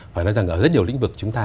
phải nói rằng ở rất nhiều lĩnh vực chúng ta